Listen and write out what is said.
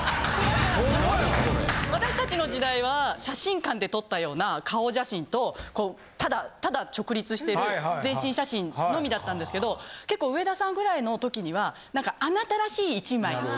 私たちの時代は写真館で撮ったような顔写真とこうただ直立してる全身写真のみだったんですけど結構上田さんぐらいの時にはなんかあなたらしい１枚。